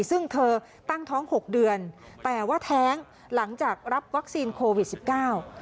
ซึ่งเธอตั้งท้องหกเดือนแต่ว่าแท้งหลังจากรับวัคซีนโควิดสิบเก้า